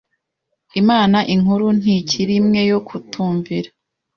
Imana Inkuru ntikiri imwe yo kutumvira